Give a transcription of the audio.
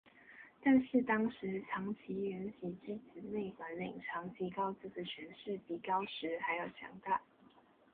但是当时长崎圆喜之子内管领长崎高资的权势比高时还要强大。